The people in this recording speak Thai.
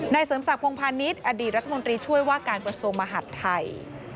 เสริมศักดิพงพาณิชย์อดีตรัฐมนตรีช่วยว่าการกระทรวงมหัฐไทย